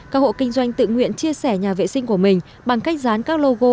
các hộ kinh doanh tự nguyện chia sẻ nhà vệ sinh của mình bằng cách dán các logo